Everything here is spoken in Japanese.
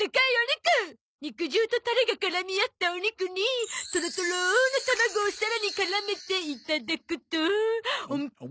肉汁とタレが絡み合ったお肉にトロトロの卵をさらに絡めていただくと。